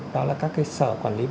đó là các cái sở quản lý